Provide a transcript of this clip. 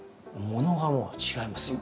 ものがもう違いますよ。